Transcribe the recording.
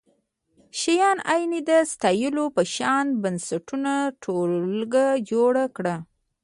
شیام عین د ستالین په شان د بنسټونو ټولګه جوړه کړه